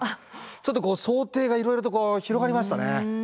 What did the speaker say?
ちょっと想定がいろいろと広がりましたね。